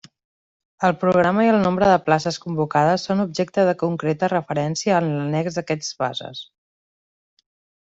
El programa i el nombre de places convocades són objecte de concreta referència en l'annex d'aquests bases.